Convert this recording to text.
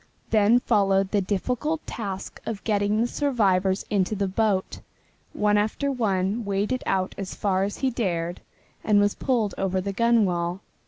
Then followed the difficult task of getting the survivors into the boat. One after one waded out as far as he dared and was pulled over the gunwale.